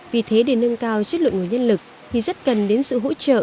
vì thế để nâng cao chất lượng nguồn nhân lực thì rất cần đến sự hỗ trợ